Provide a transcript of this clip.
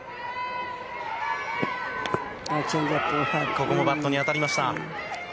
ここもバットに当たりました。